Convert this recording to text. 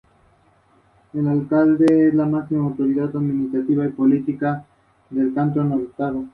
Actualmente, de propiedad municipal, la cubierta de su secadero está bastante deteriorada.